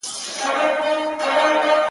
ما ته د دې خلکو د زړونو د تيارو پته ده